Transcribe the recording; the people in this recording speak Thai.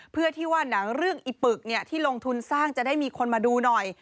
เพื่อที่ว่าหนังเรื่องอีปึกที่ลงทุนสร้างจะได้มีคนมาดูหน่อย